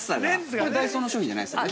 これダイソーの商品じゃないですよね。